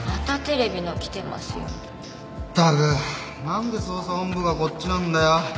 何で捜査本部がこっちなんだよ？